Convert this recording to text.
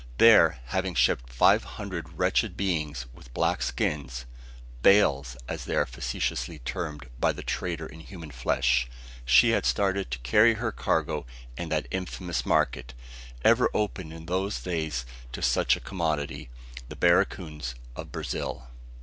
There, having shipped five hundred wretched beings with black skins, "bales" as they are facetiously termed by the trader in human flesh, she had started to carry her cargo to that infamous market, ever open in those days to such a commodity, the barracoons of Brazil.